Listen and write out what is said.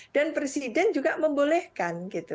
dan presiden juga membolehkan